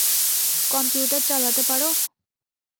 Computer চালাতে পারো?